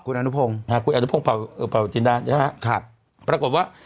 คุณอนุพงศ์นะฮะคุณอนุพงศ์เป่าจินดาใช่ไหมครับปรากฏว่า